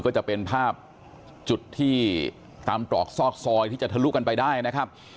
จุดที่ตามตรอกซอกซอยที่จะทะลุกันได้นะครับ